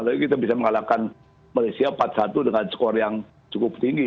tapi kita bisa mengalahkan malaysia empat satu dengan skor yang cukup tinggi